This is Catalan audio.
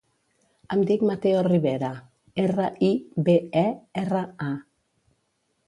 Em dic Mateo Ribera: erra, i, be, e, erra, a.